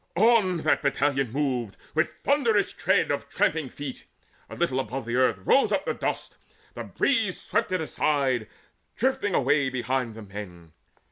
On that battalion moved, with thunderous tread Of tramping feet: a little above the earth Rose up the dust; the breeze swept it aside Drifting away behind the men.